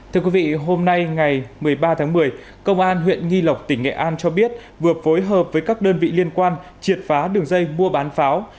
thưa quý vị hôm nay ngày một mươi ba tháng một mươi công an huyện nghi lộc tỉnh nghệ an cho biết vừa phối hợp với các đơn vị liên quan triệt phá đường dây mua bán pháo